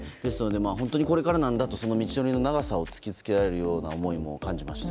本当にこれからなんだと道のりの長さを突き付けられるような思いも感じました。